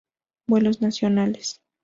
Vuelos Nacionales